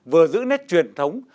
vừa giữ nét truyền thống